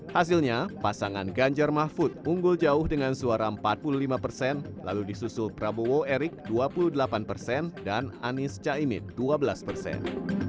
hasilnya pasangan ganjar mahfud unggul jauh dengan suara empat puluh lima persen lalu disusul prabowo erik dua puluh delapan persen dan anies caimin dua belas persen